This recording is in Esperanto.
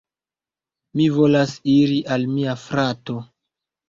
Mi volas iri al mia frato.